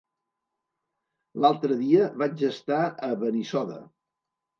L'altre dia vaig estar a Benissoda.